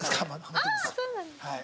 ああそうなんだ。